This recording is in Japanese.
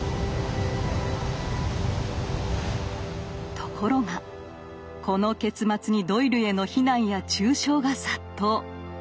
ところがこの結末にドイルへの非難や中傷が殺到。